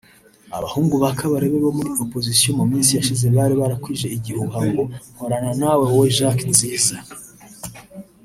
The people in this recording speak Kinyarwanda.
Abahungu ba Kabarebe bo muri opposition mu minsi yashize bari barakwije igihuha ngo nkorana nawe wowe Jack Nziza